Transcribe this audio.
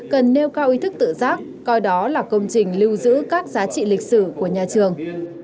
cần nêu cao ý thức tự giác coi đó là công trình lưu giữ các giá trị lịch sử của nhà trường